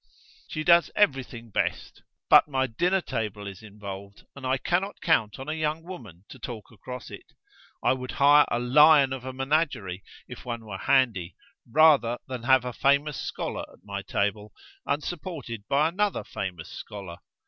"She does everything best! But my dinner table is involved, and I cannot count on a young woman to talk across it. I would hire a lion of a menagerie, if one were handy, rather than have a famous scholar at my table, unsupported by another famous scholar.